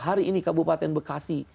hari ini kabupaten bekasi